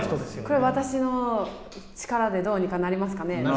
これ、私の力でどうにかなりますかね。